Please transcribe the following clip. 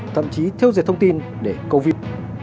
thậm chí theo dệt thông tin để cầu viêm